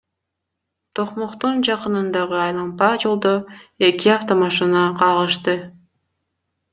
Токмоктун жакынындагы айлампа жолдо эки автомашина кагышты.